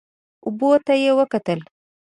اوبو ته یې وکتل.